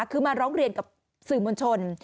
คือมาร้องเรียนกับสื่อมวลชน